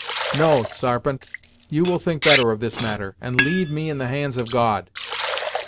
No Sarpent, you will think better of this matter, and leave me in the hands of God.